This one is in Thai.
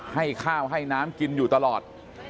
ให้ข้าวให้น้ำกินอยู่ตลอด